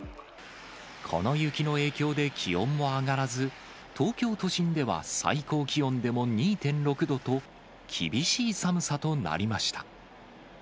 この雪の影響で気温も上がらず、東京都心では最高気温でも２．６度と、厳しい寒さとなりました。